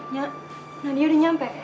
nya nadia udah nyampe